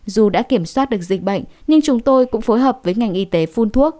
dù đã kiểm soát được dịch bệnh nhưng chúng tôi cũng phối hợp với ngành y tế phun thuốc